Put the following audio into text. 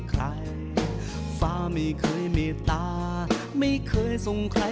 ก็เป็นน้ำพักน้ำแรงนะครับที่